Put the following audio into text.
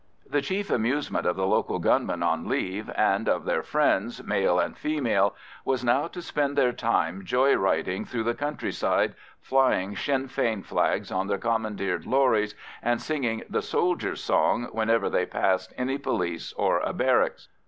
The chief amusement of the local gunmen on leave, and of their friends, male and female, was now to spend their time joy riding through the countryside, flying Sinn Fein flags on their commandeered lorries and singing the "Soldier's Song" whenever they passed any police or a barracks.